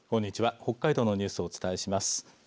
北海道のニュースをお伝えします。